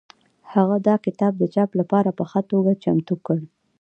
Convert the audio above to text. هغه دا کتاب د چاپ لپاره په ښه توګه چمتو کړ.